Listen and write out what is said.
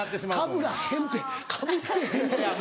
かぶらへんってかぶってへんって。